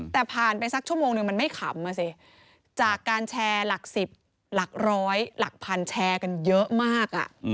แต่ผ่านไปสักชั่วโมงหนึ่งมันไม่ขำอ่ะสิจากการแชร์หลัก๑๐หลักร้อยหลักพันแชร์กันเยอะมาก